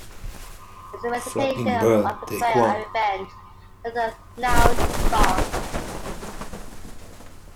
It's a meditation on betrayal and revenge, not a lounge song.